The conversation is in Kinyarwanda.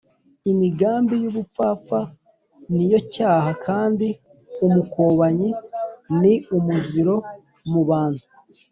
imigambi y’ubupfapfa ni yo cyaha, kandi umukobanyi ni umuziro mu bantu